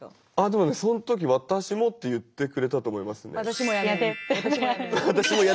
でもそん時私もって言ってくれたと思いますね。